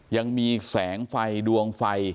ยังมีแสงไฟดวงไฟ